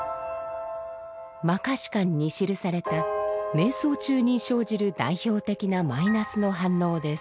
「摩訶止観」に記された瞑想中に生じる代表的なマイナスの反応です。